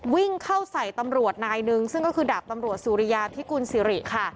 วิ่งเข้าใส่ตำรวจนายนึงซึ่งก็คือดาบตำรวจสุริยาพิกุลสิริค่ะ